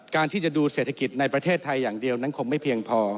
การที่จะดูเศรษฐกิจในประเทศไทยอย่างเดียวนั้นคงไม่เพียงพอ